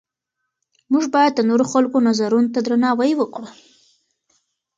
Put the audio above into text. موږ باید د نورو خلکو نظرونو ته درناوی وکړو.